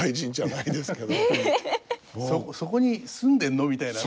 「そこに住んでんの？」みたいなね。